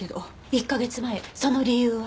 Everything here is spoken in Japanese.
１か月前その理由は？